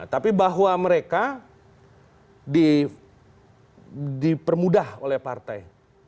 tapi bahwa mereka dipermudah oleh partai